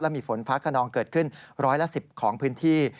มีฝนฟ้าขนองเกิดขึ้นร้อยละ๑๐ของพื้นที่